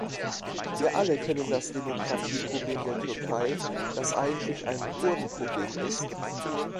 Wir alle kennen das Demokratieproblem der Türkei, das eigentlich ein Kurdenproblem ist.